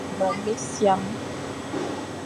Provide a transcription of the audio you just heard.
Nnom essiang.